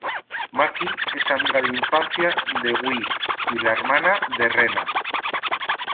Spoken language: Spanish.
Maki es amiga de infancia de Guy y la hermana de Rena.